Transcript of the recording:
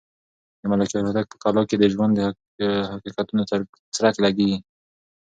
د ملکیار هوتک په کلام کې د ژوند د حقیقتونو څرک لګېږي.